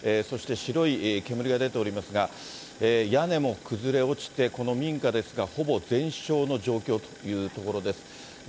そして白い煙が出ておりますが、屋根も崩れ落ちて、この民家ですが、ほぼ全焼の状況というところです。